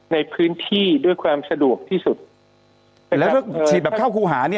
ในพื้นที่ด้วยความสะดวกที่สุดแล้วถ้าฉีดแบบเข้าครูหาเนี่ย